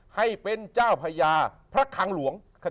ให้เป็นเจ้าพญาพระคังหลวง